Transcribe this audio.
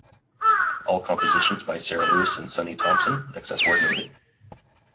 All compositions by Sarah Lewis and Sonny Thompson except where noted